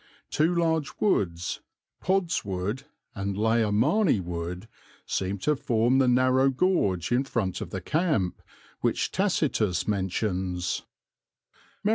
Two large woods, Pod's Wood and Layer Marney Wood, seem to form the narrow gorge in front of the camp which Tacitus mentions."